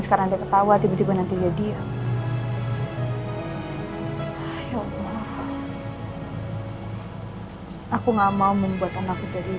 sekarang ketawa tiba tiba nanti dia dia ya allah aku nggak mau membuat anakku jadi